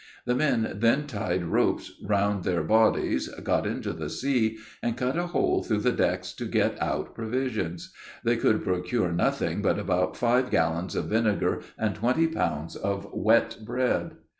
The men then tied ropes around their bodies, got into the sea and cut a hole through the decks to get out provisions. They could procure nothing but about five gallons of vinegar and twenty pounds of wet bread.